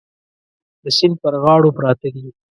د سیند پر غاړو پراته دي.